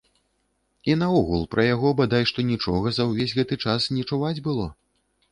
І наогул, пра яго бадай што нічога за ўвесь гэты час не чуваць было.